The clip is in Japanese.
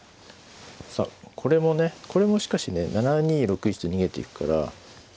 さあこれもねこれもしかしね７二６一と逃げていくから。